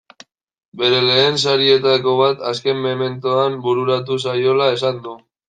Bere lehen sarietako bat azken mementoan bururatu zaiola esan du.